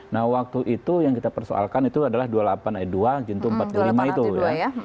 nah waktu itu yang kita persoalkan itu adalah dua puluh delapan ayat dua juntuh empat puluh lima itu ya